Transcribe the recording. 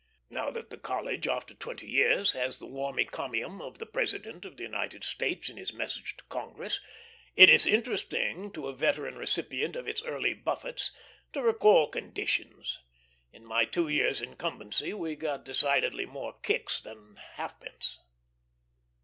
Now that the College, after twenty years, has had the warm encomium of the President of the United States in his message to Congress, it is interesting to a veteran recipient of its early buffets to recall conditions. In my two years' incumbency we got decidedly more kicks than halfpence.